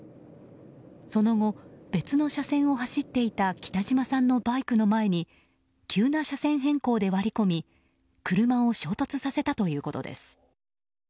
その後、別の車線を走っていた北島さんのバイクの前に急な車線変更で割り込み車を衝突させたということです。